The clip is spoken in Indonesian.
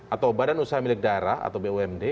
atau badan usaha milik daerah atau bumd